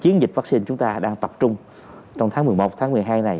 chiến dịch vắc xin chúng ta đang tập trung trong tháng một mươi một tháng một mươi hai này